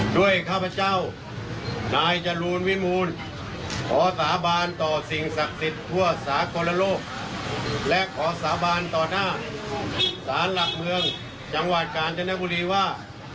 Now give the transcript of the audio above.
สารหลักเมืองจังหวัดกาลเจ้าหน้าบุรีว่า